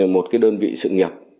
một cái đơn vị sự nghiệp